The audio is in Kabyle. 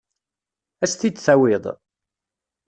Ad as-t-id-tawiḍ?